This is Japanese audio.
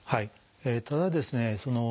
ただですね